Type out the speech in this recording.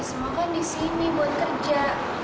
semakan di sini buat kerja